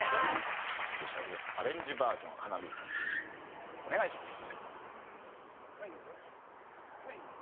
スペシャルアレンジバージョン『ハナミズキ』お願いします。